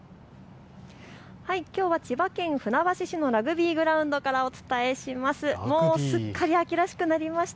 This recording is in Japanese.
きょうは千葉県船橋市のラグビーグラウンドからお伝えします。